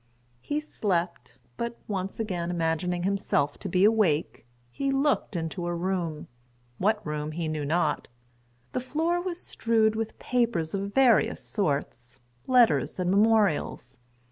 He slept; but once again imagining himself to be awake, he looked into a room—what room he knew not. The floor was strewed with papers of various sorts, letters and memorials.